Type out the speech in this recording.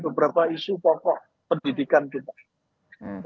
beberapa isu pokok pendidikan kita